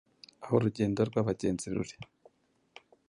Aho urugendo rwabagenzi ruri;